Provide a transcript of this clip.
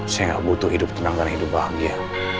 saya butuh hidup tenang dan hidup bahagia